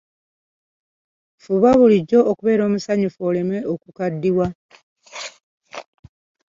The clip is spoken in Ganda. Fuba bulijjo okubeera omusanyufu oleme okukaddiwa.